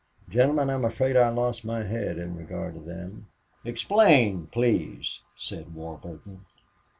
"Gentlemen, I'm afraid I lost my head in regard to them." "Explain, please," said Warburton.